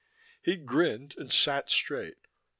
He grinned and sat straight.